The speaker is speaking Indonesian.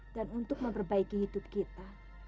dan untuk memperbaiki hidup kita